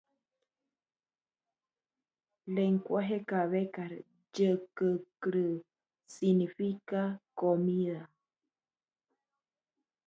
agricultores franceses volcaron los camiones españoles